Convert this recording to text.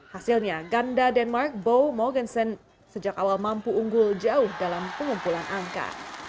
hasilnya ganda denmark bou mogensen sejak awal mampu unggul jauh dalam pengumpulan angka